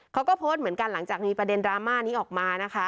เขาก็โพสต์เหมือนกันหลังจากมีประเด็นดราม่านี้ออกมานะคะ